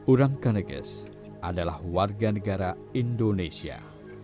uram kaneges adalah warga negara indonesia